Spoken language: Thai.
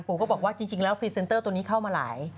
ก็บอกว่าจริงแล้วพรีเซนเตอร์ตัวนี้เข้ามาหลาย